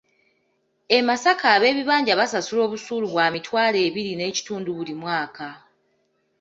E Masaka ab’ebibanja basasula obusuulu bwa mitwalo ebiri n'ekitundu buli mwaka.